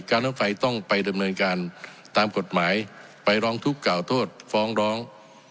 รถไฟต้องไปดำเนินการตามกฎหมายไปร้องทุกข์กล่าวโทษฟ้องร้อง